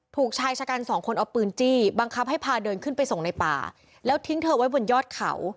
ถูกชายชะกันสองคนเอาปืนจี้บังคับให้พาเดินขึ้นไปส่งในป่าแล้วทิ้งเธอไว้บนยอดเขา